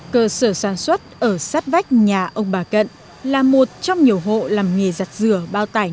cơ sở sản xuất ở sát vách nhà ông bà cận là một trong nhiều hộ làm nghề giặt dừa bao tải